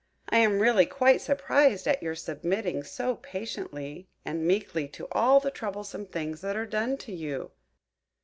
"I am really quite surprised at your submitting so patiently and meekly to all the troublesome things that are done to you!